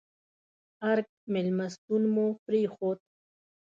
ارګ مېلمستون مو پرېښود.